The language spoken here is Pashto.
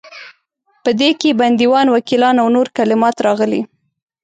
په دې کې بندیوان، وکیلان او نور کلمات راغلي.